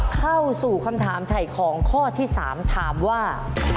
เข้าสู่คำถามถ่ายของข้อที่๓ถามว่า